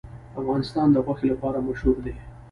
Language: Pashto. افغانستان د غوښې لپاره مشهور دی.